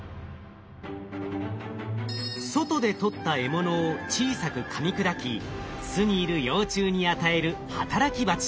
外で捕った獲物を小さくかみ砕き巣にいる幼虫に与える働きバチ。